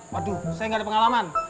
waduh saya gak ada pengalaman